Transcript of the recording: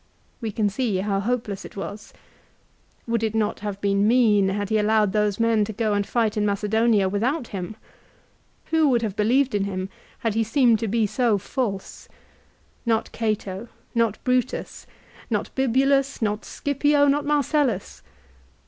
We can see how hopeless it was. Would it not have been mean had he allowed those men to go and fight in Macedonia without him ? Who would have believed in him had he seemed to be so 'false? Not Cato, not Brutus, not Bibulus, not Scipio, not Marcellus.